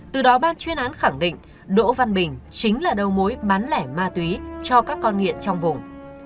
từ đó ban chuyên án khẳng định đỗ văn bình chính là đầu mối bán lẻ ma túy cho các con nghiện trong vùng